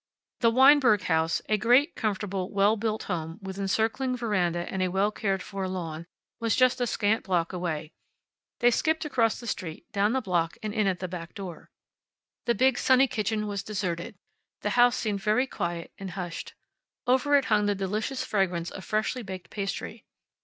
The Weinberg house, a great, comfortable, well built home, with encircling veranda, and a well cared for lawn, was just a scant block away. They skipped across the street, down the block, and in at the back door. The big sunny kitchen was deserted. The house seemed very quiet and hushed. Over it hung the delicious fragrance of freshly baked pastry.